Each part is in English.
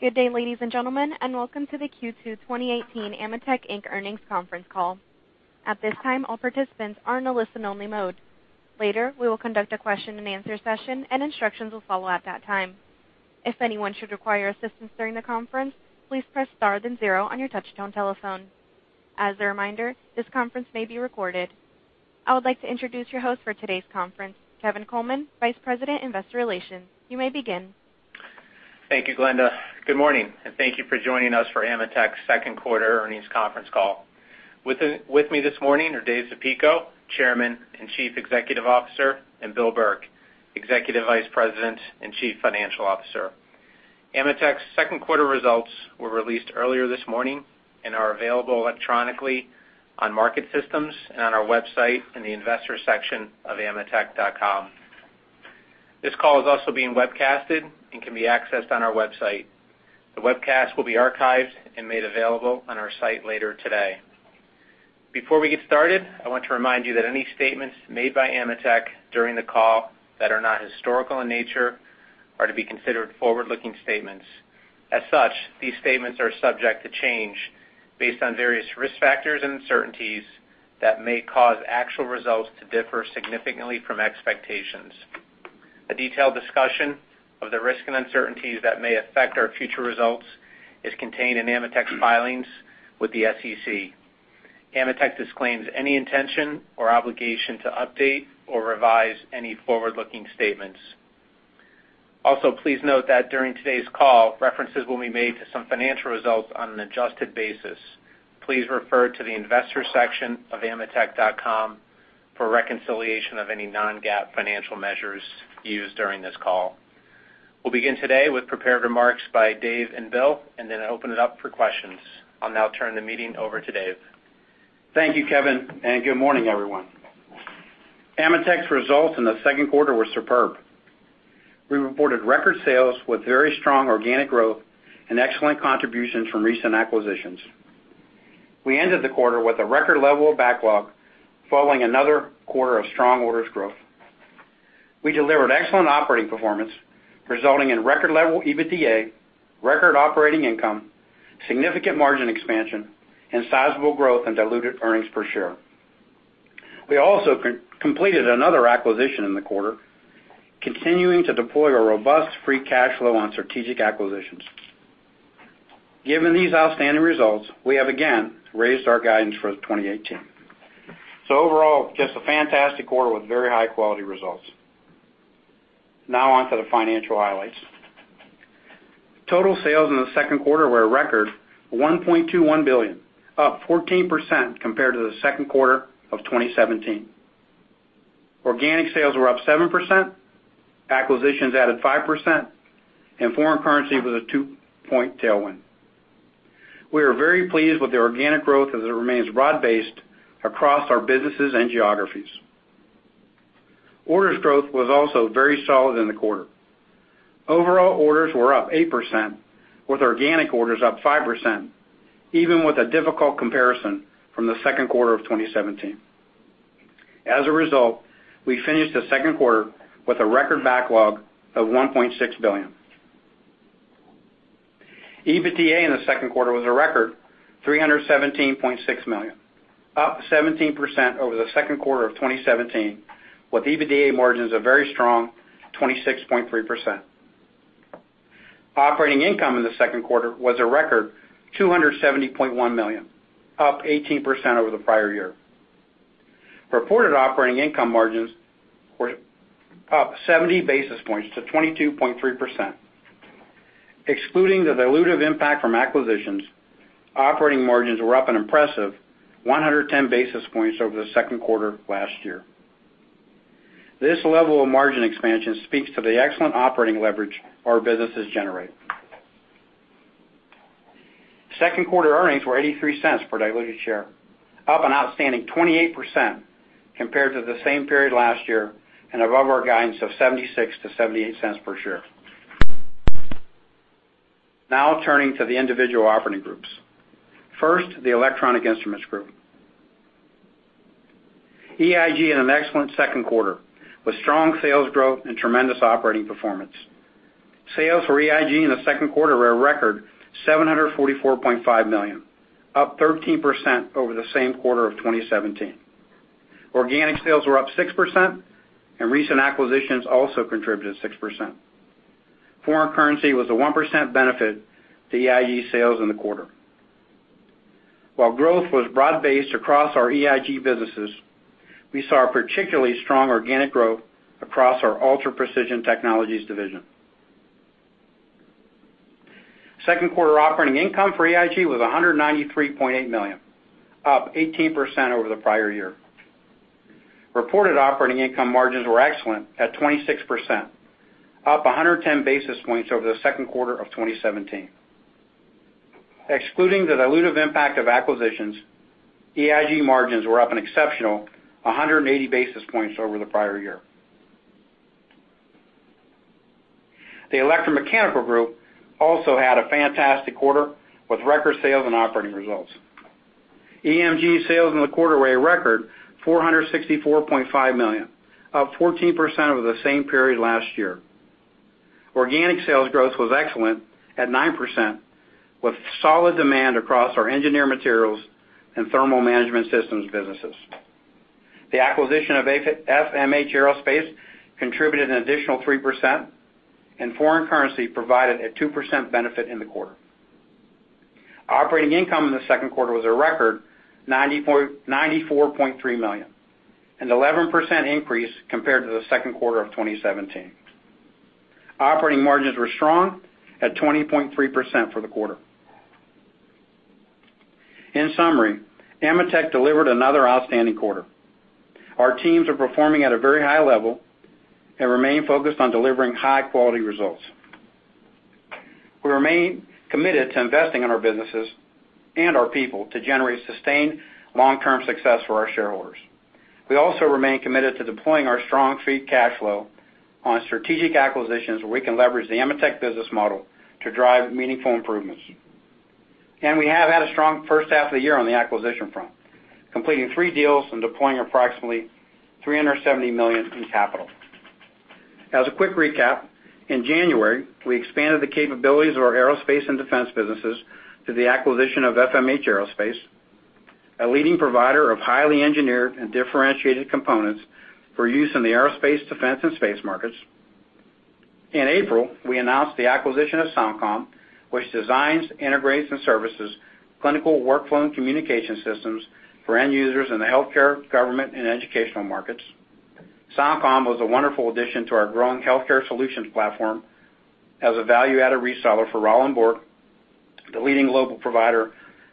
Good day, ladies and gentlemen, welcome to the Q2 2018 AMETEK, Inc. earnings conference call. At this time, all participants are in a listen only mode. Later, we will conduct a question and answer session and instructions will follow at that time. If anyone should require assistance during the conference, please press star then zero on your touchtone telephone. As a reminder, this conference may be recorded. I would like to introduce your host for today's conference, Kevin Coleman, Vice President, Investor Relations. You may begin. Thank you, Glenda. Good morning. Thank you for joining us for AMETEK's second quarter earnings conference call. With me this morning are Dave Zapico, Chairman and Chief Executive Officer, and Bill Burke, Executive Vice President and Chief Financial Officer. AMETEK's second quarter results were released earlier this morning and are available electronically on market systems and on our website in the investor section of ametek.com. This call is also being webcasted and can be accessed on our website. The webcast will be archived and made available on our site later today. Before we get started, I want to remind you that any statements made by AMETEK during the call that are not historical in nature are to be considered forward-looking statements. These statements are subject to change based on various risk factors and uncertainties that may cause actual results to differ significantly from expectations. A detailed discussion of the risks and uncertainties that may affect our future results is contained in AMETEK's filings with the SEC. AMETEK disclaims any intention or obligation to update or revise any forward-looking statements. Please note that during today's call, references will be made to some financial results on an adjusted basis. Please refer to the investor section of ametek.com for reconciliation of any non-GAAP financial measures used during this call. We will begin today with prepared remarks by Dave and Bill, and then open it up for questions. I will now turn the meeting over to Dave. Thank you, Kevin. Good morning, everyone. AMETEK's results in the second quarter were superb. We reported record sales with very strong organic growth and excellent contributions from recent acquisitions. We ended the quarter with a record level of backlog following another quarter of strong orders growth. We delivered excellent operating performance, resulting in record level EBITDA, record operating income, significant margin expansion, and sizable growth in diluted earnings per share. We also completed another acquisition in the quarter, continuing to deploy a robust free cash flow on strategic acquisitions. Given these outstanding results, we have again raised our guidance for 2018. Overall, just a fantastic quarter with very high-quality results. Now on to the financial highlights. Total sales in the second quarter were a record $1.21 billion, up 14% compared to the second quarter of 2017. Organic sales were up 7%, acquisitions added 5%, and foreign currency was a two-point tailwind. We are very pleased with the organic growth as it remains broad-based across our businesses and geographies. Orders growth was also very solid in the quarter. Overall orders were up 8% with organic orders up 5%, even with a difficult comparison from the second quarter of 2017. As a result, we finished the second quarter with a record backlog of $1.6 billion. EBITDA in the second quarter was a record $317.6 million, up 17% over the second quarter of 2017 with EBITDA margins a very strong 26.3%. Operating income in the second quarter was a record $270.1 million, up 18% over the prior year. Reported operating income margins were up 70 basis points to 22.3%. Excluding the dilutive impact from acquisitions, operating margins were up an impressive 110 basis points over the second quarter last year. This level of margin expansion speaks to the excellent operating leverage our businesses generate. Second quarter earnings were $0.83 per diluted share, up an outstanding 28% compared to the same period last year and above our guidance of $0.76 to $0.78 per share. Now turning to the individual operating groups. First, the Electronic Instruments Group. EIG had an excellent second quarter with strong sales growth and tremendous operating performance. Sales for EIG in the second quarter were a record $744.5 million, up 13% over the same quarter of 2017. Organic sales were up 6%, and recent acquisitions also contributed 6%. Foreign currency was a 1% benefit to EIG sales in the quarter. While growth was broad-based across our EIG businesses, we saw a particularly strong organic growth across our Ultra Precision Technologies division. Second quarter operating income for EIG was $193.8 million, up 18% over the prior year. Reported operating income margins were excellent at 26%, up 110 basis points over the second quarter of 2017. Excluding the dilutive impact of acquisitions, EIG margins were up an exceptional 180 basis points over the prior year. The Electromechanical Group also had a fantastic quarter with record sales and operating results. EMG sales in the quarter were a record $464.5 million, up 14% over the same period last year. Organic sales growth was excellent at 9%, with solid demand across our engineered materials and thermal management systems businesses. The acquisition of FMH Aerospace contributed an additional 3%, and foreign currency provided a 2% benefit in the quarter. Operating income in the second quarter was a record $94.3 million, an 11% increase compared to the second quarter of 2017. Operating margins were strong at 20.3% for the quarter. In summary, AMETEK delivered another outstanding quarter. Our teams are performing at a very high level and remain focused on delivering high-quality results. We remain committed to investing in our businesses and our people to generate sustained long-term success for our shareholders. We also remain committed to deploying our strong free cash flow on strategic acquisitions where we can leverage the AMETEK business model to drive meaningful improvements. We have had a strong first half of the year on the acquisition front, completing three deals and deploying approximately $370 million in capital. As a quick recap, in January, we expanded the capabilities of our aerospace and defense businesses through the acquisition of FMH Aerospace, a leading provider of highly engineered and differentiated components for use in the aerospace, defense, and space markets. In April, we announced the acquisition of SoundCom, which designs, integrates, and services clinical workflow and communication systems for end users in the healthcare, government, and educational markets. SoundCom was a wonderful addition to our growing healthcare solutions platform as a value-added reseller for Rauland-Borg, the leading global provider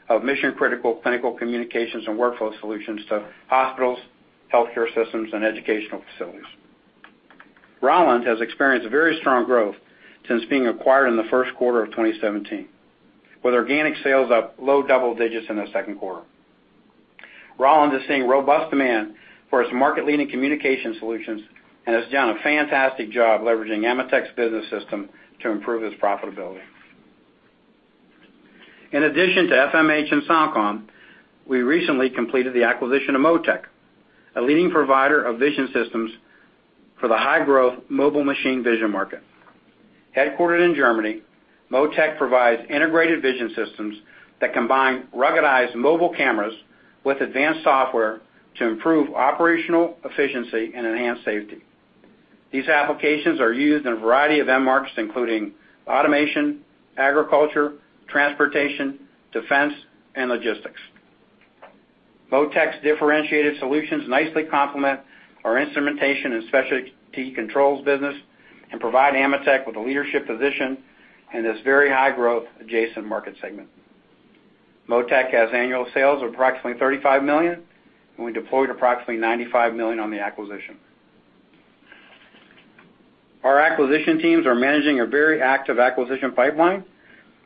of mission-critical clinical communications and workflow solutions to hospitals, healthcare systems, and educational facilities. Rauland has experienced very strong growth since being acquired in the first quarter of 2017, with organic sales up low double digits in the second quarter. Rauland is seeing robust demand for its market-leading communication solutions and has done a fantastic job leveraging AMETEK's business system to improve its profitability. In addition to FMH and SoundCom, we recently completed the acquisition of Motec, a leading provider of vision systems for the high-growth mobile machine vision market. Headquartered in Germany, Motec provides integrated vision systems that combine ruggedized mobile cameras with advanced software to improve operational efficiency and enhance safety. These applications are used in a variety of end markets, including automation, agriculture, transportation, defense, and logistics. Motec's differentiated solutions nicely complement our instrumentation and specialty controls business and provide AMETEK with a leadership position in this very high growth adjacent market segment. Motec has annual sales of approximately $35 million, and we deployed approximately $95 million on the acquisition. Our acquisition teams are managing a very active acquisition pipeline,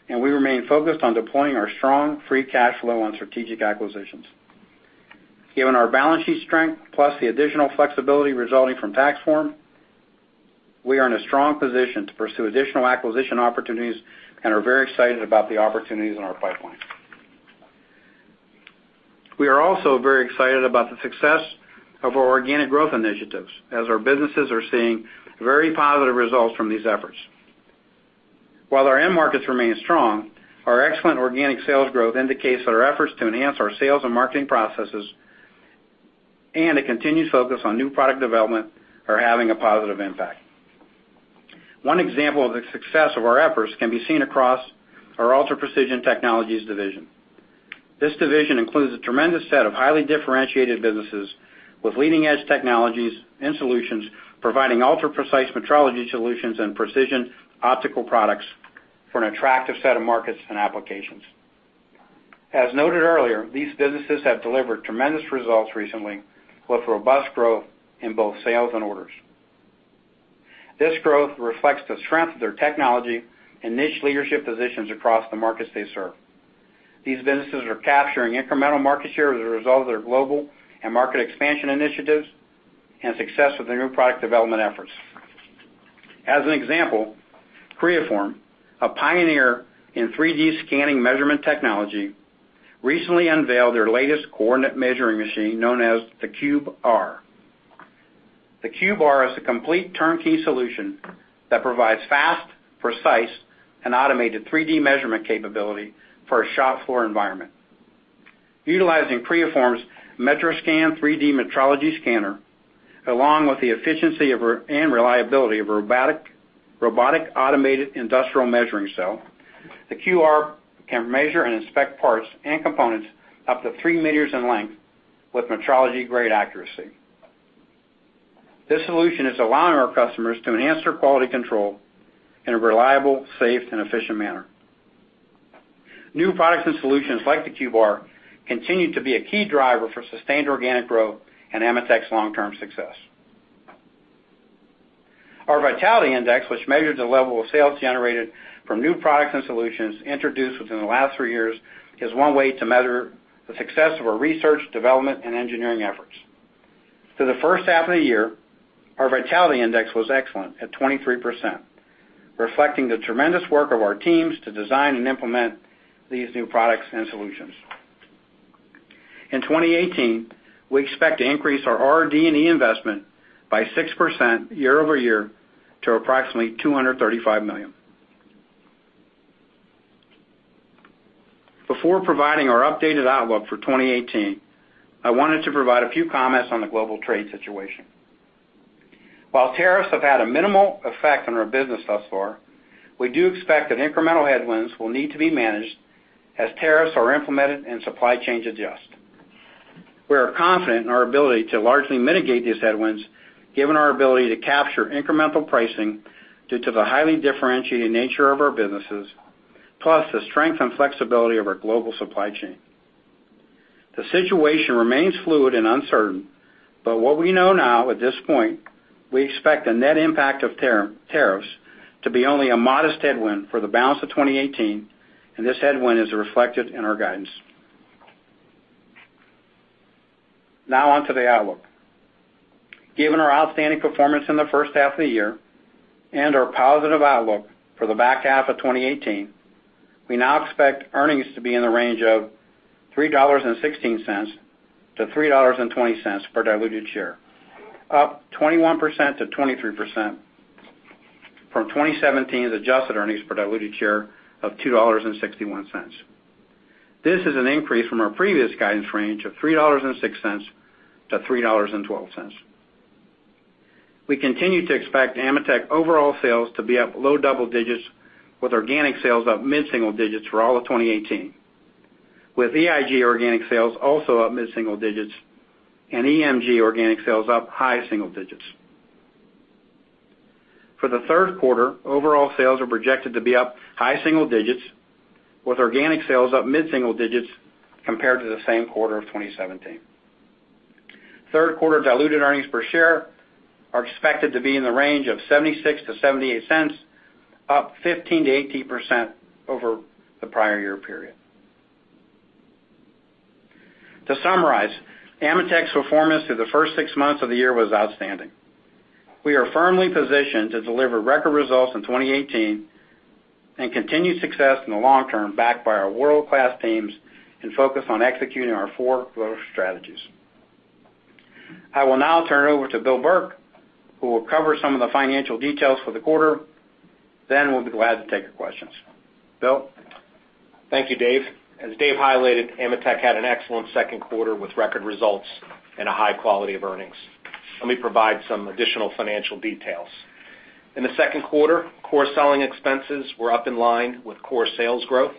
we remain focused on deploying our strong free cash flow on strategic acquisitions. Given our balance sheet strength, the additional flexibility resulting from tax reform, we are in a strong position to pursue additional acquisition opportunities and are very excited about the opportunities in our pipeline. We are also very excited about the success of our organic growth initiatives as our businesses are seeing very positive results from these efforts. Our end markets remain strong, our excellent organic sales growth indicates that our efforts to enhance our sales and marketing processes and a continued focus on new product development are having a positive impact. One example of the success of our efforts can be seen across our Ultra Precision Technologies Division. This division includes a tremendous set of highly differentiated businesses with leading-edge technologies and solutions, providing ultra-precise metrology solutions and precision optical products for an attractive set of markets and applications. As noted earlier, these businesses have delivered tremendous results recently, with robust growth in both sales and orders. This growth reflects the strength of their technology and niche leadership positions across the markets they serve. These businesses are capturing incremental market share as a result of their global and market expansion initiatives and success with their new product development efforts. As an example, Creaform, a pioneer in 3D scanning measurement technology, recently unveiled their latest coordinate measuring machine, known as the CUBE-R. The CUBE-R is a complete turnkey solution that provides fast, precise, and automated 3D measurement capability for a shop floor environment. Utilizing Creaform's MetraSCAN 3D metrology scanner, along with the efficiency and reliability of robotic automated industrial measuring cell, the CUBE-R can measure and inspect parts and components up to 3 meters in length with metrology-grade accuracy. This solution is allowing our customers to enhance their quality control in a reliable, safe, and efficient manner. New products and solutions like the CUBE-R continue to be a key driver for sustained organic growth and AMETEK's long-term success. Our Vitality Index, which measures the level of sales generated from new products and solutions introduced within the last three years, is one way to measure the success of our research, development, and engineering efforts. Through the first half of the year, our Vitality Index was excellent at 23%, reflecting the tremendous work of our teams to design and implement these new products and solutions. In 2018, we expect to increase our RD&E investment by 6% year-over-year to approximately $235 million. Before providing our updated outlook for 2018, I wanted to provide a few comments on the global trade situation. While tariffs have had a minimal effect on our business thus far, we do expect that incremental headwinds will need to be managed as tariffs are implemented and supply chains adjust. We are confident in our ability to largely mitigate these headwinds, given our ability to capture incremental pricing due to the highly differentiated nature of our businesses, plus the strength and flexibility of our global supply chain. The situation remains fluid and uncertain, but what we know now at this point, we expect the net impact of tariffs to be only a modest headwind for the balance of 2018, and this headwind is reflected in our guidance. Now on to the outlook. Given our outstanding performance in the first half of the year and our positive outlook for the back half of 2018, we now expect earnings to be in the range of $3.16-$3.20 per diluted share, up 21%-23% from 2017's adjusted earnings per diluted share of $2.61. This is an increase from our previous guidance range of $3.06-$3.12. We continue to expect AMETEK overall sales to be up low double digits with organic sales up mid-single digits for all of 2018, with EIG organic sales also up mid-single digits and EMG organic sales up high single digits. For the third quarter, overall sales are projected to be up high single digits with organic sales up mid-single digits compared to the same quarter of 2017. Third quarter diluted earnings per share are expected to be in the range of $0.76-$0.78, up 15%-18% over the prior year period. To summarize, AMETEK's performance through the first six months of the year was outstanding. We are firmly positioned to deliver record results in 2018 and continued success in the long term, backed by our world-class teams and focused on executing our four growth strategies. I will now turn it over to Bill Burke, who will cover some of the financial details for the quarter, then we'll be glad to take your questions. Bill? Thank you, Dave. As Dave highlighted, AMETEK had an excellent second quarter with record results and a high quality of earnings. Let me provide some additional financial details. In the second quarter, core selling expenses were up in line with core sales growth.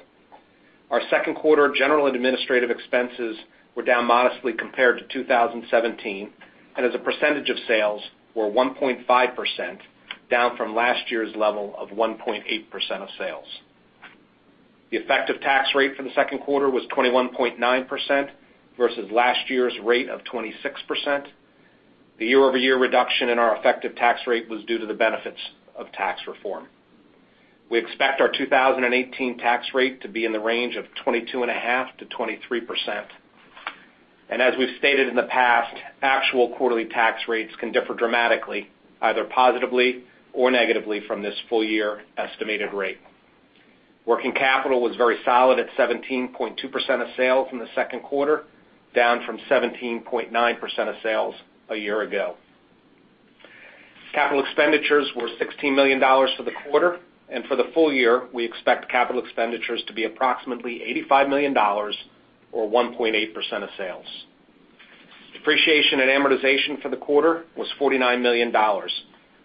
Our second quarter general and administrative expenses were down modestly compared to 2017, and as a percentage of sales, were 1.5%, down from last year's level of 1.8% of sales. The effective tax rate for the second quarter was 21.9% versus last year's rate of 26%. The year-over-year reduction in our effective tax rate was due to the benefits of tax reform. We expect our 2018 tax rate to be in the range of 22.5%-23%. As we've stated in the past, actual quarterly tax rates can differ dramatically, either positively or negatively from this full year estimated rate. Working capital was very solid at 17.2% of sales in the second quarter, down from 17.9% of sales a year ago. Capital expenditures were $16 million for the quarter, and for the full year, we expect capital expenditures to be approximately $85 million, or 1.8% of sales. Depreciation and amortization for the quarter was $49 million,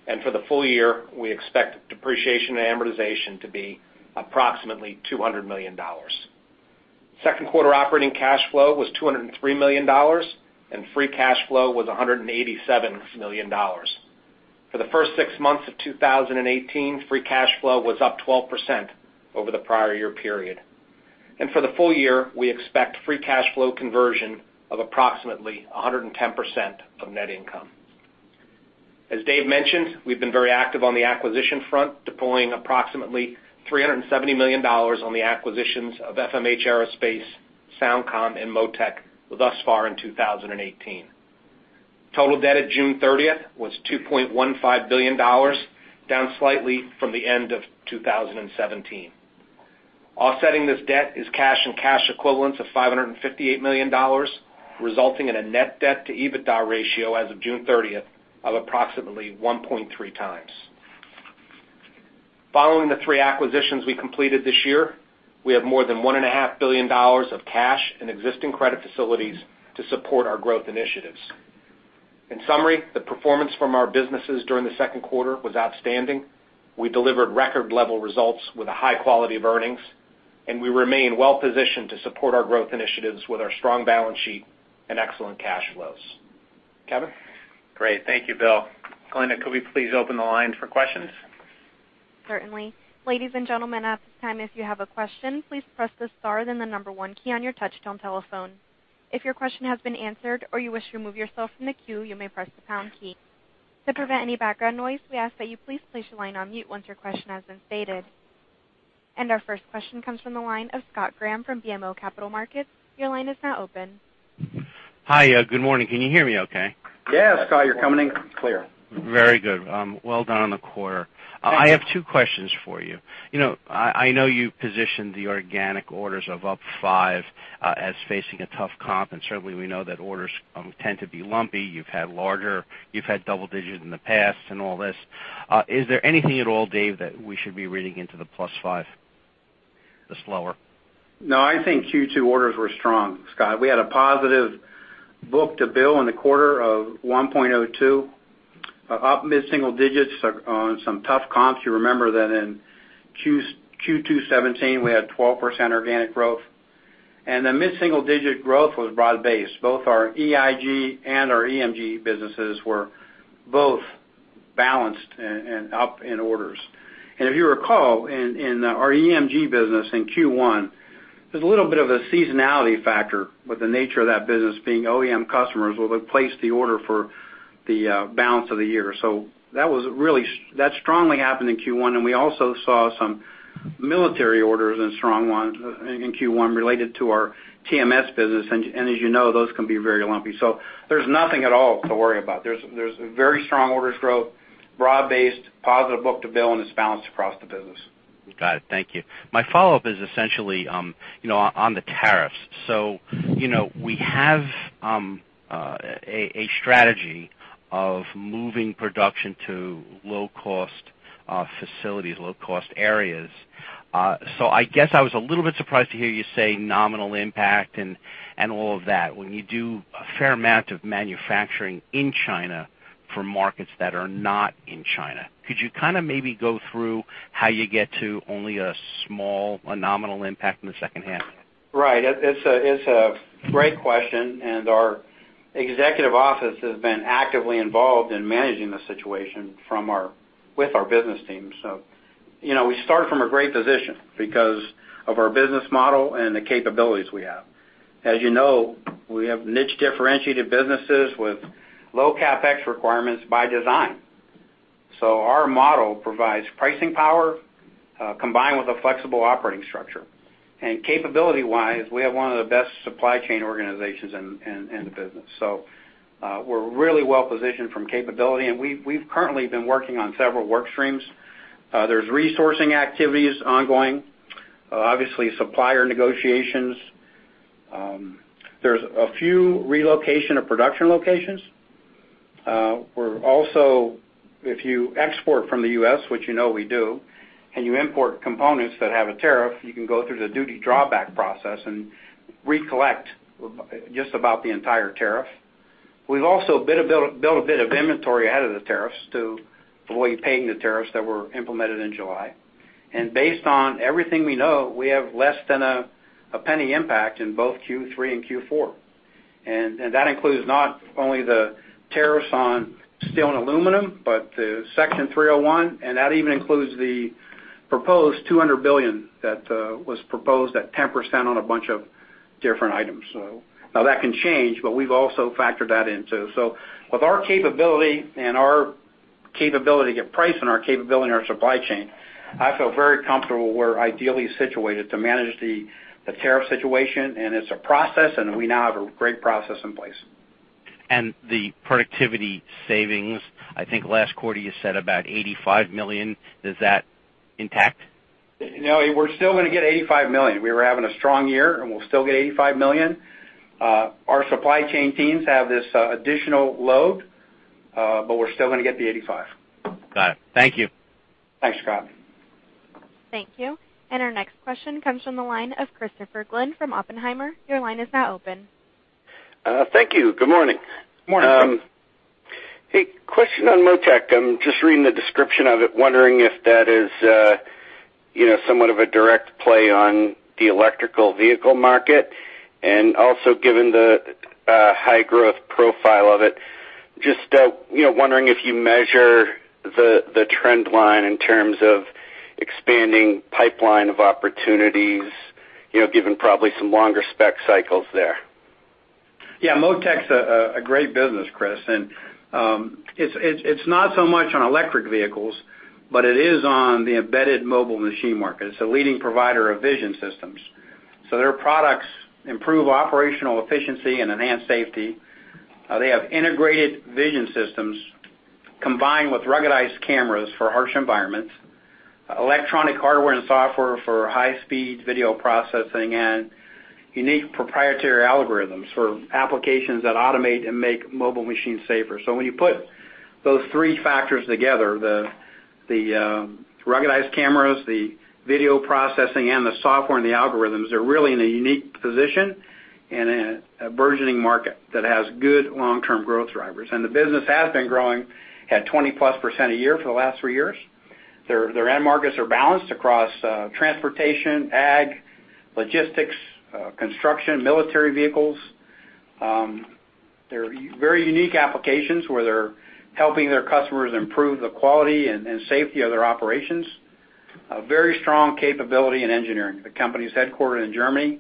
and for the full year, we expect depreciation and amortization to be approximately $200 million. Second quarter operating cash flow was $203 million, and free cash flow was $187 million. For the first six months of 2018, free cash flow was up 12% over the prior year period. For the full year, we expect free cash flow conversion of approximately 110% of net income. As Dave mentioned, we've been very active on the acquisition front, deploying approximately $370 million on the acquisitions of FMH Aerospace, SoundCom, and Motec thus far in 2018. Total debt at June 30th was $2.15 billion, down slightly from the end of 2017. Offsetting this debt is cash and cash equivalents of $558 million, resulting in a net debt to EBITDA ratio as of June 30th of approximately 1.3 times. Following the three acquisitions we completed this year, we have more than $1.5 billion of cash and existing credit facilities to support our growth initiatives. In summary, the performance from our businesses during the second quarter was outstanding. We delivered record level results with a high quality of earnings, and we remain well-positioned to support our growth initiatives with our strong balance sheet and excellent cash flows. Kevin? Great. Thank you, Bill. Glenda, could we please open the line for questions? Certainly. Ladies and gentlemen, at this time, if you have a question, please press the star then the number one key on your touch-tone telephone. If your question has been answered or you wish to remove yourself from the queue, you may press the pound key. To prevent any background noise, we ask that you please place your line on mute once your question has been stated. Our first question comes from the line of Scott Graham from BMO Capital Markets. Your line is now open. Hi. Good morning. Can you hear me okay? Yes, Scott, you're coming in clear. Very good. Well done on the quarter. Thank you. I have two questions for you. I know you positioned the organic orders of up five as facing a tough comp, and certainly, we know that orders tend to be lumpy. You've had larger, you've had double-digit in the past and all this. Is there anything at all, Dave, that we should be reading into the +5, the slower? No, I think Q2 orders were strong, Scott. We had a positive book-to-bill in the quarter of 1.02, up mid-single-digits on some tough comps. You remember that in Q2 2017, we had 12% organic growth, and the mid-single-digit growth was broad-based. Both our EIG and our EMG businesses were both balanced and up in orders. If you recall, in our EMG business in Q1, there's a little bit of a seasonality factor with the nature of that business being OEM customers will have placed the order for the balance of the year. That strongly happened in Q1, as you know, we also saw some military orders and strong ones in Q1 related to our TMS business, and those can be very lumpy. There's nothing at all to worry about. There's a very strong orders growth, broad-based, positive book-to-bill, It's balanced across the business. Got it. Thank you. My follow-up is essentially, on the tariffs. We have a strategy of moving production to low-cost facilities, low-cost areas. I guess I was a little bit surprised to hear you say nominal impact and all of that when you do a fair amount of manufacturing in China for markets that are not in China. Could you kind of maybe go through how you get to only a small, a nominal impact in the second half? Right. It's a great question. Our executive office has been actively involved in managing the situation with our business teams. We start from a great position because of our business model and the capabilities we have. As you know, we have niche differentiated businesses with low CapEx requirements by design. Our model provides pricing power, combined with a flexible operating structure. Capability-wise, we have one of the best supply chain organizations in the business. We're really well-positioned from capability. We've currently been working on several work streams. There's resourcing activities ongoing. Obviously, supplier negotiations. There's a few relocation of production locations. We're also, if you export from the U.S., which you know we do, and you import components that have a tariff, you can go through the duty drawback process and recollect just about the entire tariff. We've also built a bit of inventory out of the tariffs to avoid paying the tariffs that were implemented in July. Based on everything we know, we have less than a penny impact in both Q3 and Q4. That includes not only the tariffs on steel and aluminum, but the Section 301. That even includes the proposed $200 billion that was proposed at 10% on a bunch of different items. Now that can change, but we've also factored that in, too. With our capability and our capability to price and our capability in our supply chain, I feel very comfortable we're ideally situated to manage the tariff situation. It's a process. We now have a great process in place. The productivity savings, I think last quarter you said about $85 million. Is that intact? No, we're still going to get $85 million. We were having a strong year, we'll still get $85 million. Our supply chain teams have this additional load, we're still going to get the $85 million. Got it. Thank you. Thanks, Scott. Thank you. Our next question comes from the line of Christopher Glynn from Oppenheimer. Your line is now open. Thank you. Good morning. Morning. Hey, question on Motec. I'm just reading the description of it, wondering if that is somewhat of a direct play on the electric vehicle market. Also given the high growth profile of it, just wondering if you measure the trend line in terms of expanding pipeline of opportunities, given probably some longer spec cycles there. Yeah, Motec's a great business, Chris. It's not so much on electric vehicles, but it is on the embedded mobile machine market. It's a leading provider of vision systems. Their products improve operational efficiency and enhance safety. They have integrated vision systems combined with ruggedized cameras for harsh environments, electronic hardware and software for high-speed video processing, and unique proprietary algorithms for applications that automate and make mobile machines safer. When you put those three factors together, the ruggedized cameras, the video processing, and the software and the algorithms, they're really in a unique position in a burgeoning market that has good long-term growth drivers. The business has been growing at 20%+ a year for the last three years. Their end markets are balanced across transportation, ag, logistics, construction, military vehicles. They're very unique applications where they're helping their customers improve the quality and safety of their operations. A very strong capability in engineering. The company's headquartered in Germany.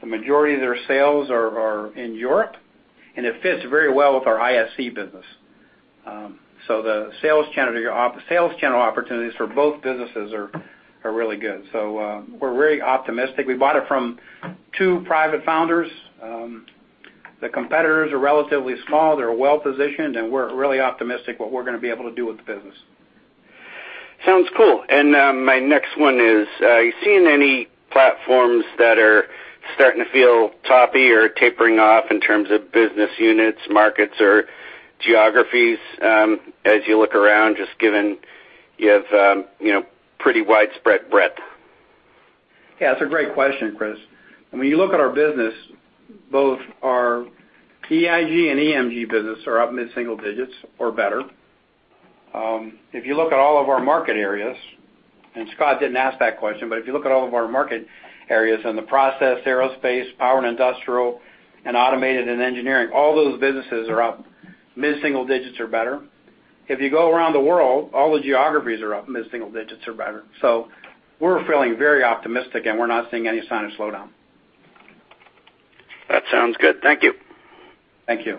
The majority of their sales are in Europe. It fits very well with our ISC business. The sales channel opportunities for both businesses are really good. We're very optimistic. We bought it from two private founders. The competitors are relatively small, they're well-positioned, and we're really optimistic what we're going to be able to do with the business. Sounds cool. My next one is, are you seeing any platforms that are starting to feel toppy or tapering off in terms of business units, markets, or geographies as you look around, just given you have pretty widespread breadth? Yeah, that's a great question, Chris. When you look at our business, both our EIG and EMG businesses are up mid-single digits or better. If you look at all of our market areas, and Scott didn't ask that question, but if you look at all of our market areas in the process, aerospace, power and industrial, and automated and engineering, all those businesses are up mid-single digits or better. If you go around the world, all the geographies are up mid-single digits or better. We're feeling very optimistic, and we're not seeing any sign of slowdown. That sounds good. Thank you. Thank you.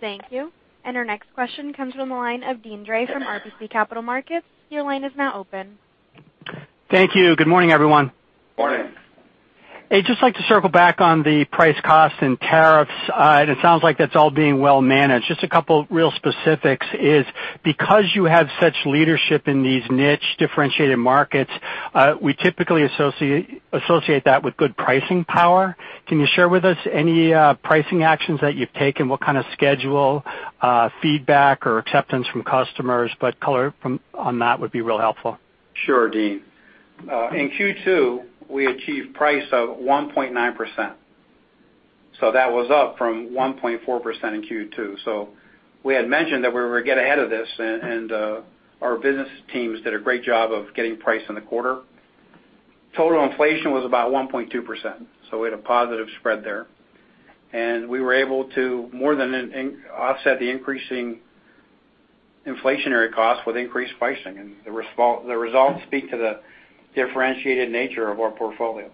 Thank you. Our next question comes from the line of Deane Dray from RBC Capital Markets. Your line is now open. Thank you. Good morning, everyone. Morning. I'd just like to circle back on the price, cost, and tariffs. It sounds like that's all being well managed. Just a couple real specifics is because you have such leadership in these niche differentiated markets, we typically associate that with good pricing power. Can you share with us any pricing actions that you've taken, what kind of schedule, feedback, or acceptance from customers, color on that would be real helpful. Sure, Deane. In Q2, we achieved price of 1.9%, so that was up from 1.4% in Q2. We had mentioned that we were going to get ahead of this, and our business teams did a great job of getting price in the quarter. Total inflation was about 1.2%, so we had a positive spread there. We were able to more than offset the increasing inflationary cost with increased pricing, and the results speak to the differentiated nature of our portfolio.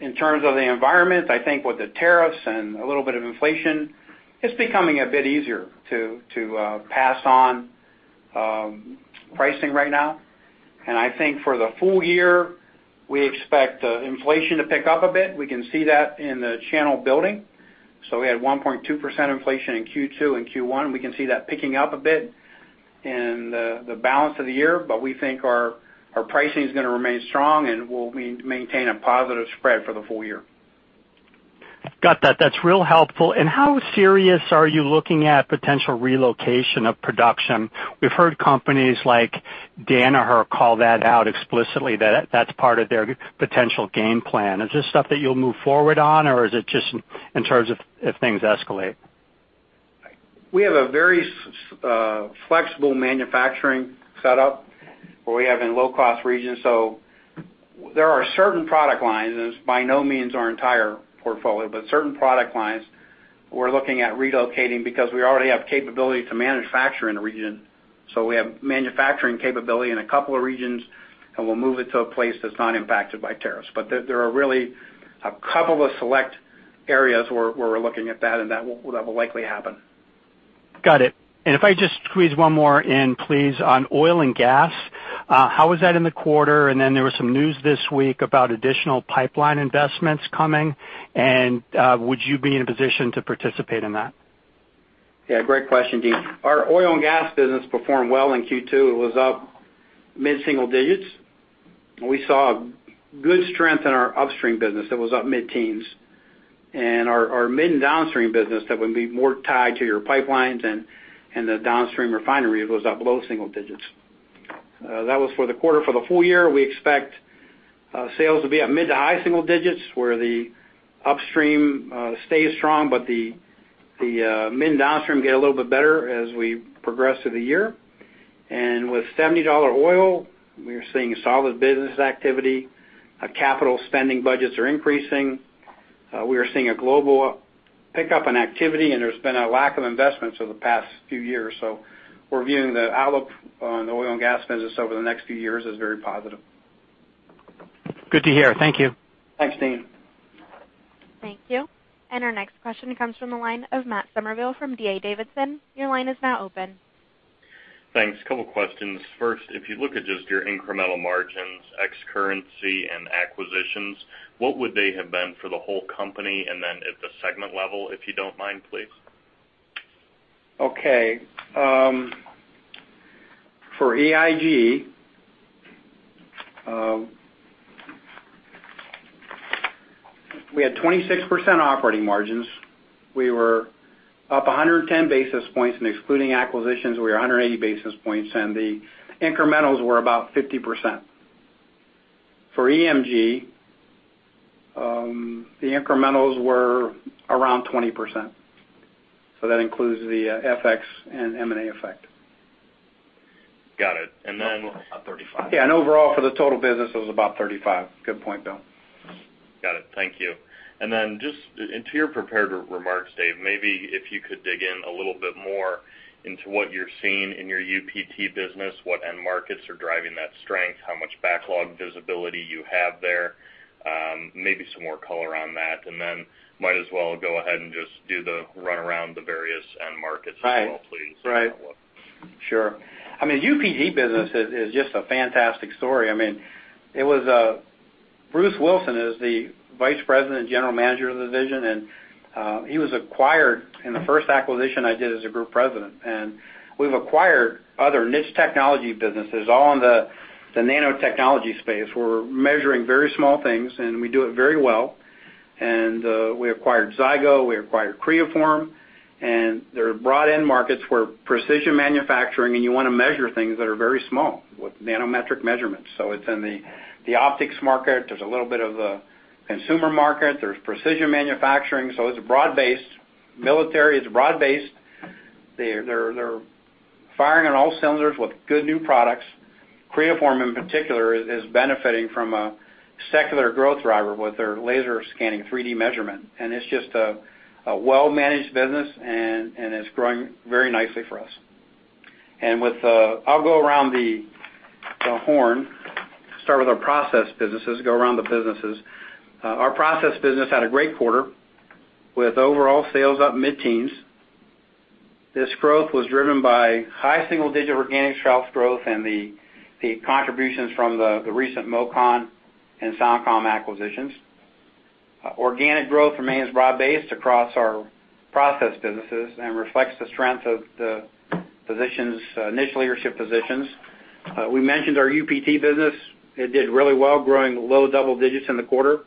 In terms of the environment, I think with the tariffs and a little bit of inflation, it's becoming a bit easier to pass on pricing right now. I think for the full year, we expect inflation to pick up a bit. We can see that in the channel building. We had 1.2% inflation in Q2 and Q1. We can see that picking up a bit in the balance of the year, but we think our pricing is going to remain strong. We'll maintain a positive spread for the full year. Got that. That's real helpful. How serious are you looking at potential relocation of production? We've heard companies like Danaher call that out explicitly, that that's part of their potential game plan. Is this stuff that you'll move forward on, or is it just in terms of if things escalate? We have a very flexible manufacturing setup where we have in low-cost regions. There are certain product lines, and it's by no means our entire portfolio, but certain product lines we're looking at relocating because we already have capability to manufacture in a region. We have manufacturing capability in a couple of regions, and we'll move it to a place that's not impacted by tariffs. There are really a couple of select areas where we're looking at that and that will likely happen. Got it. If I just squeeze one more in, please. On oil and gas, how was that in the quarter? Then there was some news this week about additional pipeline investments coming, and would you be in a position to participate in that? Great question, Deane. Our oil and gas business performed well in Q2. It was up mid-single digits. We saw good strength in our upstream business that was up mid-teens, and our mid and downstream business that would be more tied to your pipelines and the downstream refinery was up low single digits. That was for the quarter. For the full year, we expect sales to be at mid to high single digits, where the upstream stays strong, but the mid and downstream get a little bit better as we progress through the year. With $70 oil, we are seeing solid business activity. Capital spending budgets are increasing. We are seeing a global pickup in activity, there's been a lack of investments over the past few years. We're viewing the outlook on the oil and gas business over the next few years as very positive. Good to hear. Thank you. Thanks, Deane. Thank you. Our next question comes from the line of Matt Summerville from D.A. Davidson. Your line is now open. Thanks. Couple questions. First, if you look at just your incremental margins, ex currency and acquisitions, what would they have been for the whole company? Then at the segment level, if you don't mind, please. Okay. For EIG, we had 26% operating margins. We were up 110 basis points, excluding acquisitions, we were 180 basis points, the incrementals were about 50%. For EMG, the incrementals were around 20%. That includes the FX and M&A effect. Got it. Overall, about 35%. Yeah. Overall, for the total business, it was about 35%. Good point, though. Got it. Thank you. Just into your prepared remarks, Dave, maybe if you could dig in a little bit more into what you're seeing in your UPT business, what end markets are driving that strength, how much backlog visibility you have there. Maybe some more color on that. Then might as well go ahead and just do the run around the various end markets as well, please. Sure. UPT business is just a fantastic story. Bruce Wilson is the Vice President and General Manager of the division, he was acquired in the first acquisition I did as a group president. We've acquired other niche technology businesses, all in the nanotechnology space. We're measuring very small things, we do it very well. We acquired Zygo, we acquired Creaform, they're broad end markets where precision manufacturing, you want to measure things that are very small with nanometric measurements. It's in the optics market. There's a little bit of a consumer market. There's precision manufacturing. It's broad-based. Military. It's broad-based. They're firing on all cylinders with good new products. Creaform, in particular, is benefiting from a secular growth driver with their laser scanning 3D measurement. It's just a well-managed business, it's growing very nicely for us. I'll go around the horn, start with our process businesses, go around the businesses. Our process business had a great quarter, with overall sales up mid-teens. This growth was driven by high single-digit organic sales growth and the contributions from the recent MOCON and SoundCom acquisitions. Organic growth remains broad-based across our process businesses and reflects the strength of the niche leadership positions. We mentioned our UPT business. It did really well, growing low double digits in the quarter.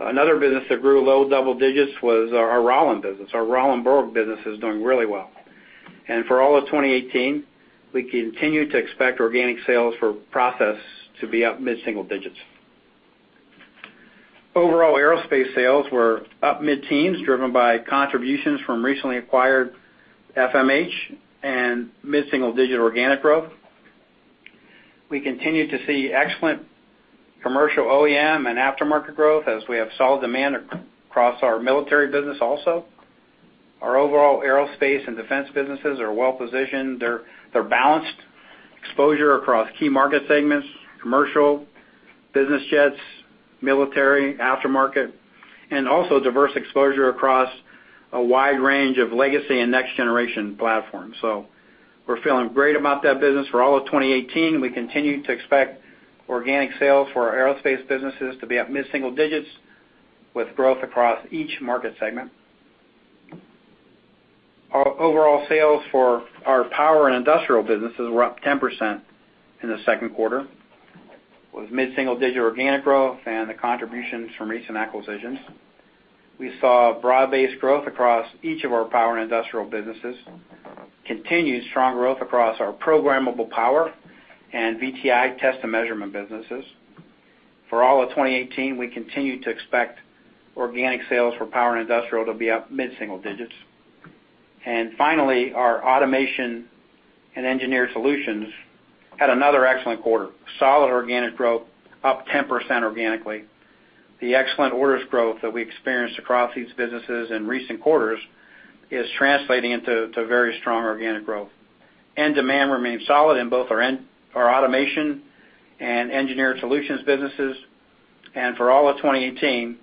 Another business that grew low double digits was our Rauland business. Our Rauland-Borg business is doing really well. For all of 2018, we continue to expect organic sales for process to be up mid-single digits. Overall aerospace sales were up mid-teens, driven by contributions from recently acquired FMH and mid-single-digit organic growth. We continue to see excellent commercial OEM and aftermarket growth as we have solid demand across our military business also. Our overall aerospace and defense businesses are well-positioned. They're balanced. Exposure across key market segments, commercial, business jets, military, aftermarket, also diverse exposure across a wide range of legacy and next-generation platforms. We're feeling great about that business. For all of 2018, we continue to expect organic sales for our aerospace businesses to be up mid-single digits with growth across each market segment. Our overall sales for our power and industrial businesses were up 10% in the second quarter. It was mid-single-digit organic growth and the contributions from recent acquisitions. We saw broad-based growth across each of our power and industrial businesses. Continued strong growth across our Programmable Power and VTI test and measurement businesses. For all of 2018, we continue to expect organic sales for power and industrial to be up mid-single digits. Finally, our automation and engineered solutions had another excellent quarter. Solid organic growth, up 10% organically. The excellent orders growth that we experienced across these businesses in recent quarters is translating into very strong organic growth. End demand remains solid in both our automation and engineered solutions businesses. For all of 2018,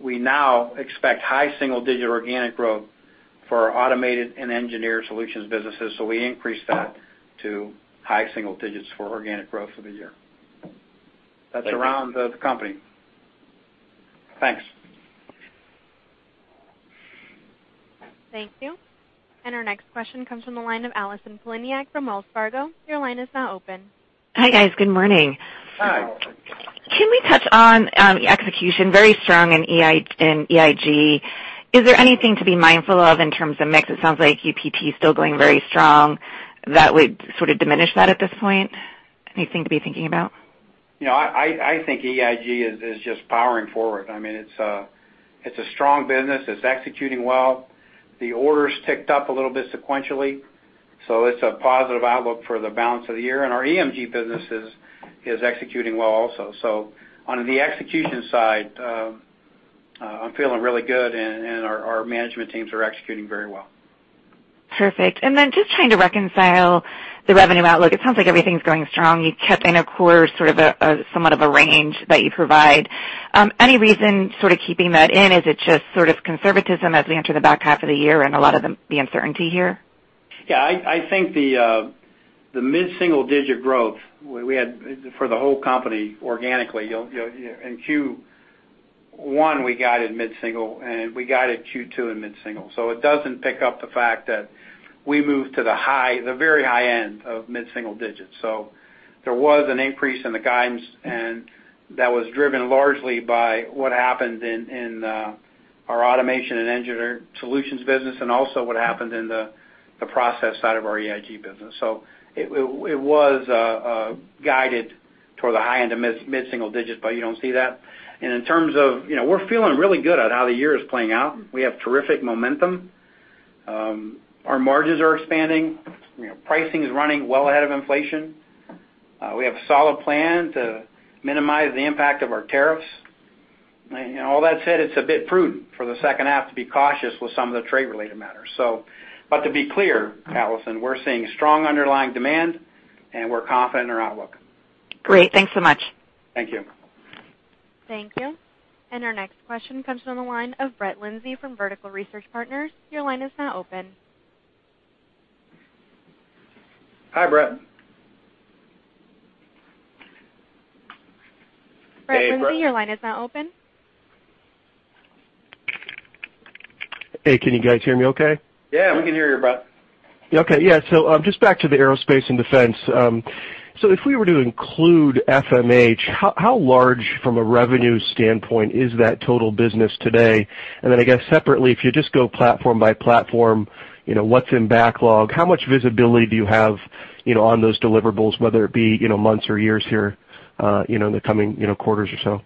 we now expect high single-digit organic growth for our automated and engineered solutions businesses. We increased that to high single digits for organic growth for the year. Thank you. That's around the company. Thanks. Thank you. Our next question comes from the line of Allison Poliniak from Wells Fargo. Your line is now open. Hi, guys. Good morning. Hi. Can we touch on execution, very strong in EIG. Is there anything to be mindful of in terms of mix? It sounds like UPT is still going very strong. That would sort of diminish that at this point? Anything to be thinking about? I think EIG is just powering forward. It's a strong business. It's executing well. The orders ticked up a little bit sequentially, it's a positive outlook for the balance of the year. Our EMG business is executing well also. On the execution side, I'm feeling really good, and our management teams are executing very well. Perfect. Then just trying to reconcile the revenue outlook. It sounds like everything's going strong. You kept [in a quarter] sort of somewhat of a range that you provide. Any reason sort of keeping that in? Is it just sort of conservatism as we enter the back half of the year and a lot of the uncertainty here? Yeah, I think the mid-single-digit growth we had for the whole company organically. In Q1, we guided mid-single, and we guided Q2 in mid-single. It doesn't pick up the fact that we moved to the very high end of mid-single digits. There was an increase in the guidance, and that was driven largely by what happened in our automation and engineered solutions business and also what happened in the process side of our EIG business. It was guided toward the high end of mid-single digits, but you don't see that. In terms of, we're feeling really good at how the year is playing out. We have terrific momentum. Our margins are expanding. Pricing is running well ahead of inflation. We have a solid plan to minimize the impact of our tariffs. All that said, it's a bit prudent for the second half to be cautious with some of the trade-related matters. To be clear, Allison, we're seeing strong underlying demand, and we're confident in our outlook. Great. Thanks so much. Thank you. Thank you. Our next question comes from the line of Brett Linzey from Vertical Research Partners. Your line is now open. Hi, Brett. Brett Linzey, your line is now open. Hey, can you guys hear me okay? Yeah, we can hear you, Brett. Okay. Yeah. Just back to the aerospace and defense. If we were to include FMH, how large from a revenue standpoint is that total business today? Then, I guess separately, if you just go platform by platform, what's in backlog? How much visibility do you have on those deliverables, whether it be months or years here, in the coming quarters or so?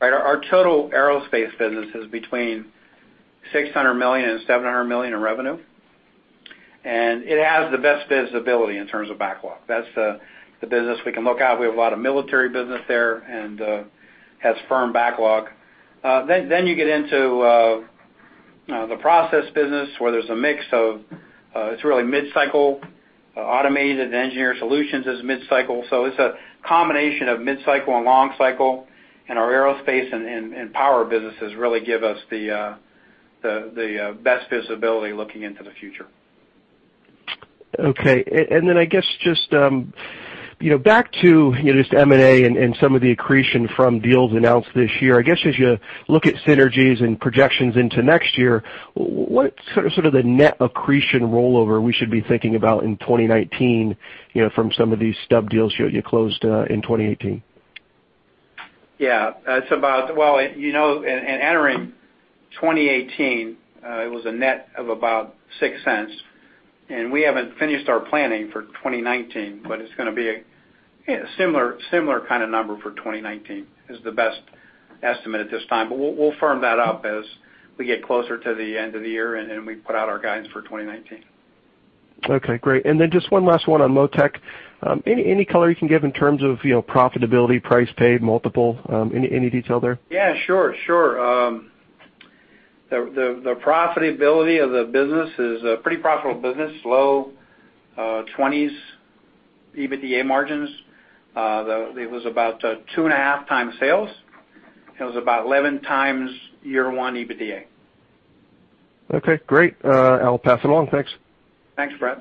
Right. Our total aerospace business is between $600 million and $700 million in revenue. It has the best visibility in terms of backlog. That's the business we can look out. We have a lot of military business there, and has firm backlog. You get into the process business where there's a mix of, it's really mid-cycle. Automated engineer solutions is mid-cycle. It's a combination of mid-cycle and long cycle, and our aerospace and power businesses really give us the best visibility looking into the future. Okay. Then, I guess just back to just M&A and some of the accretion from deals announced this year. I guess as you look at synergies and projections into next year, what's sort of the net accretion rollover we should be thinking about in 2019 from some of these stub deals you closed in 2018? Yeah. In entering 2018, it was a net of about $0.06. We haven't finished our planning for 2019, but it's going to be a similar kind of number for 2019, is the best estimate at this time. We'll firm that up as we get closer to the end of the year, and we put out our guidance for 2019. Okay, great. Just one last one on Motec. Any color you can give in terms of profitability, price paid, multiple, any detail there? Yeah, sure. The profitability of the business is a pretty profitable business, low 20s EBITDA margins. It was about 2.5 times sales, and it was about 11 times year one EBITDA. Okay, great. I'll pass it on. Thanks. Thanks, Brett.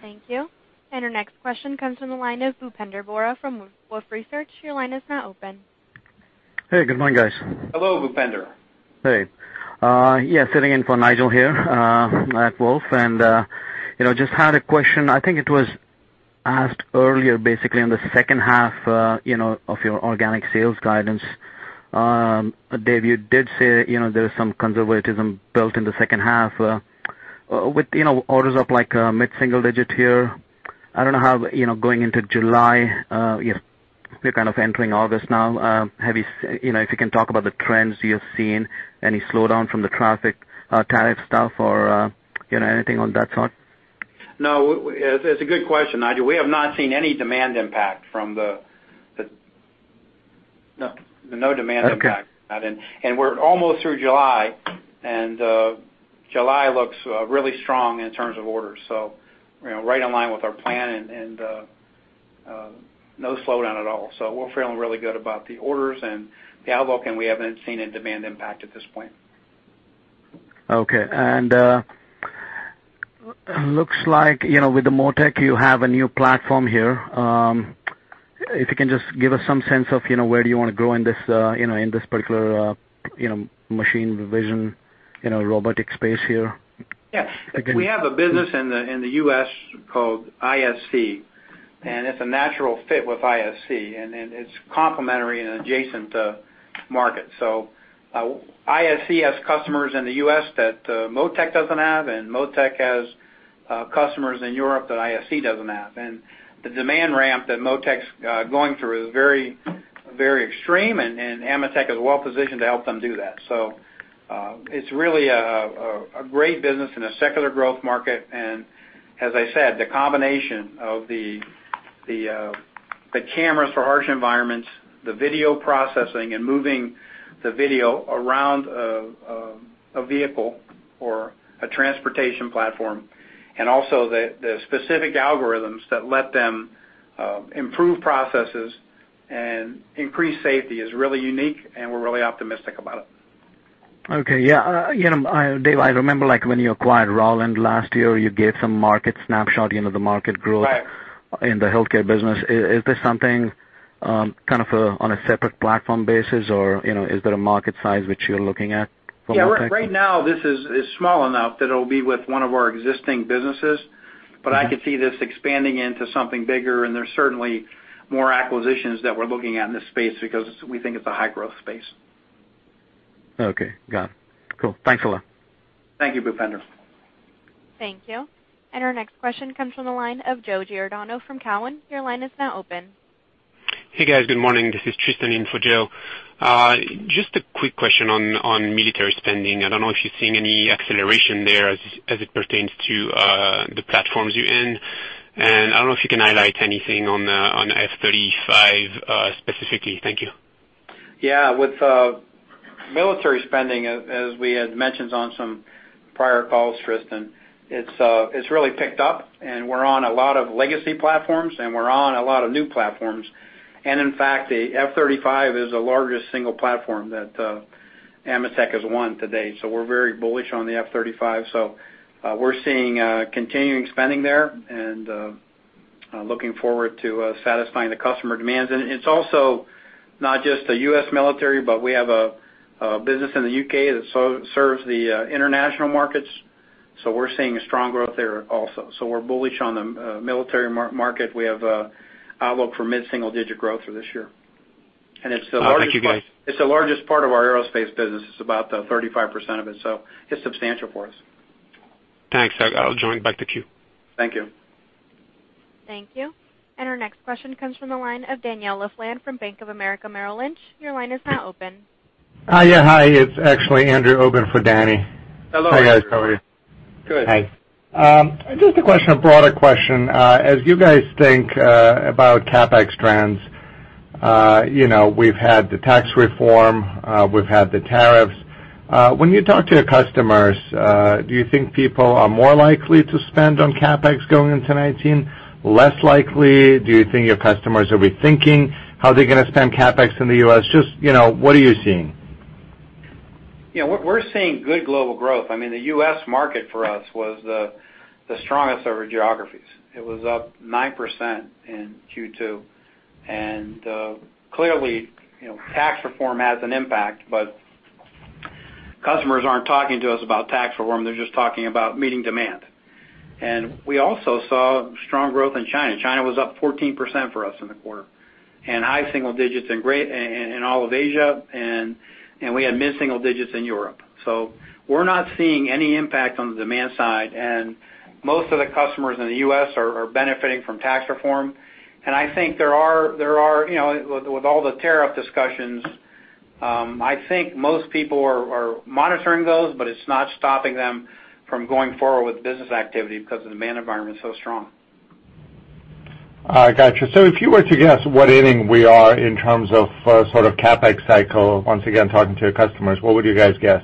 Thank you. Our next question comes from the line of Bhupender Bohra from Wolfe Research. Your line is now open. Hey, good morning, guys. Hello, Bhupender. Hey. Yeah, sitting in for Nigel here, at Wolfe Research. Just had a question. I think it was asked earlier, basically in the second half of your organic sales guidance. Dave, you did say there is some conservatism built in the second half. With orders up like mid-single digit here, I don't know how going into July, we're kind of entering August now. If you can talk about the trends you have seen, any slowdown from the traffic tariff stuff or anything on that sort? No. It's a good question, Nigel. We have not seen any demand impact. No demand impact. Okay. We're almost through July, and July looks really strong in terms of orders. Right in line with our plan and no slowdown at all. We're feeling really good about the orders and the outlook, and we haven't seen a demand impact at this point. Okay. Looks like with the Motec, you have a new platform here. If you can just give us some sense of where do you want to go in this particular machine vision robotic space here? Yeah. We have a business in the U.S. called ISC, and it's a natural fit with ISC, and it's complementary and adjacent market. ISC has customers in the U.S. that Motec doesn't have, and Motec has customers in Europe that ISC doesn't have. The demand ramp that Motec's going through is very extreme, and AMETEK is well-positioned to help them do that. It's really a great business in a secular growth market. As I said, the combination of the cameras for harsh environments, the video processing, and moving the video around a vehicle or a transportation platform, and also the specific algorithms that let them improve processes and increase safety is really unique, and we're really optimistic about it. Okay, yeah. Dave, I remember like when you acquired Rauland last year, you gave some market snapshot into the market growth- Right in the healthcare business. Is this something kind of on a separate platform basis, or is there a market size which you're looking at for Motec? Yeah. Right now, this is small enough that it'll be with one of our existing businesses. Okay. I could see this expanding into something bigger. There's certainly more acquisitions that we're looking at in this space because we think it's a high-growth space. Okay, got it. Cool. Thanks a lot. Thank you, Bhupender. Thank you. Our next question comes from the line of Joe Giordano from Cowen. Your line is now open. Hey, guys. Good morning. This is Tristan in for Joe. Just a quick question on military spending. I don't know if you're seeing any acceleration there as it pertains to the platforms you're in. I don't know if you can highlight anything on F-35, specifically. Thank you. Yeah. With Military spending, as we had mentioned on some prior calls, Tristan, it's really picked up, and we're on a lot of legacy platforms, and we're on a lot of new platforms. In fact, the F-35 is the largest single platform that AMETEK has won to date, so we're very bullish on the F-35. We're seeing continuing spending there and looking forward to satisfying the customer demands. It's also not just the U.S. military, but we have a business in the U.K. that serves the international markets, so we're seeing a strong growth there also. We're bullish on the military market. We have outlook for mid-single digit growth for this year. Thank you, guys. It's the largest part of our aerospace business. It's about 35% of it, so it's substantial for us. Thanks. I'll join back the queue. Thank you. Thank you. Our next question comes from the line of Danielle Lefland from Bank of America Merrill Lynch. Your line is now open. Hi, it's actually Andrew Obin for Danny. Hello, Andrew. How are you guys? How are you? Good. Hi. Just a question, a broader question. As you guys think about CapEx trends, we've had the tax reform, we've had the tariffs. When you talk to your customers, do you think people are more likely to spend on CapEx going into 2019, less likely? Do you think your customers will be thinking how they're going to spend CapEx in the U.S.? Just what are you seeing? We're seeing good global growth. The U.S. market for us was the strongest of our geographies. It was up 9% in Q2. Clearly, tax reform has an impact, customers aren't talking to us about tax reform. They're just talking about meeting demand. We also saw strong growth in China. China was up 14% for us in the quarter, and high single digits in all of Asia, and we had mid-single digits in Europe. We're not seeing any impact on the demand side, and most of the customers in the U.S. are benefiting from tax reform. I think there are, with all the tariff discussions, I think most people are monitoring those, but it's not stopping them from going forward with business activity because the demand environment is so strong. Got you. If you were to guess what inning we are in terms of CapEx cycle, once again, talking to your customers, what would you guys guess?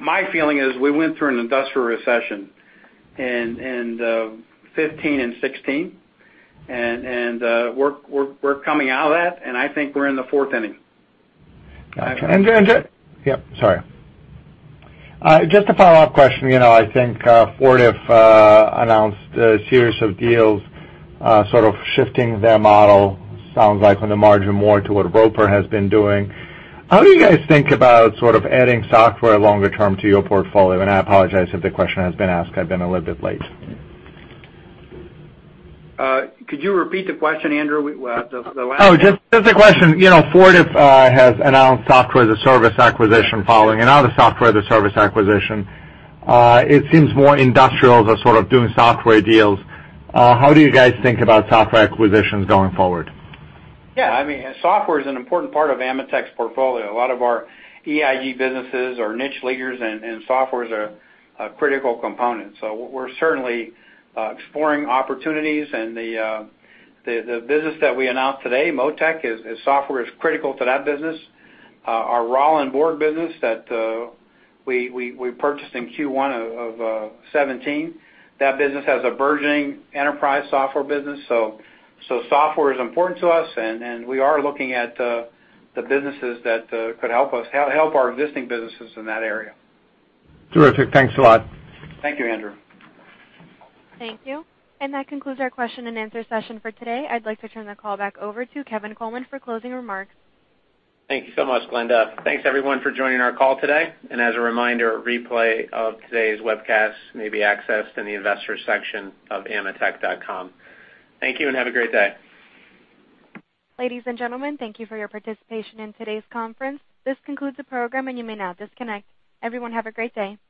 My feeling is we went through an industrial recession in 2015 and 2016, and we're coming out of that, and I think we're in the fourth inning. Got you. Just a follow-up question. I think Fortive announced a series of deals, sort of shifting their model, sounds like on the margin more to what Roper has been doing. How do you guys think about adding software longer term to your portfolio? I apologize if the question has been asked. I've been a little bit late. Could you repeat the question, Andrew? Oh, just a question. Fortive has announced software as a service acquisition following another software as a service acquisition. It seems more industrials are sort of doing software deals. How do you guys think about software acquisitions going forward? Yeah. Software is an important part of AMETEK's portfolio. A lot of our EIG businesses are niche leaders, and software is a critical component. We're certainly exploring opportunities, and the business that we announced today, Motec, software is critical to that business. Our Rauland-Borg business that we purchased in Q1 of 2017, that business has a burgeoning enterprise software business. Software is important to us, and we are looking at the businesses that could help our existing businesses in that area. Terrific. Thanks a lot. Thank you, Andrew. Thank you. That concludes our question and answer session for today. I'd like to turn the call back over to Kevin Coleman for closing remarks. Thank you so much, Glenda. Thanks, everyone, for joining our call today. As a reminder, a replay of today's webcast may be accessed in the investors section of ametek.com. Thank you, and have a great day. Ladies and gentlemen, thank you for your participation in today's conference. This concludes the program, and you may now disconnect. Everyone, have a great day.